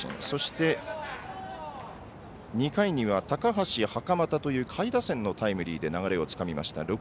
そして、２回には高橋、袴田という下位打線のタイムリーで流れをつかみました。